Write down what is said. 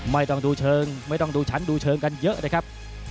ไม่ต้องดูฉนท์ดูเชิงกันเยอะนะครับ